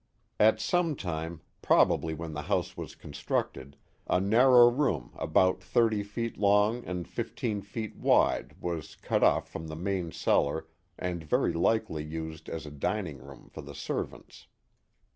At some time, probably when the house was constructed, a narrow room about thirty feet long and fifteen feet wide was cut off from the main cellar and very likely used as a dining room for the servants.